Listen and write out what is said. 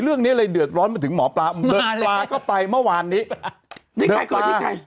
เรื่องนี้เลยเดือดร้อนมาถึงหมอปลาก็ไปเมื่อวานนี้นี่ใครก่อนที่ใคร